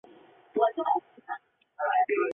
文嬴以母亲的身分说服晋襄公释放三将归秦。